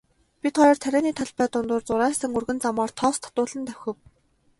Бид хоёр тарианы талбай дундуур зурайсан өргөн замаар тоос татуулан давхив.